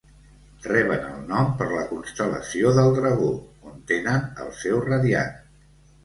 Reben el nom per la constel·lació del Dragó, on tenen el seu radiant.